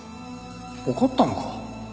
怒ったのか？